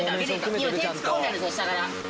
今手突っ込んだでしょ下から。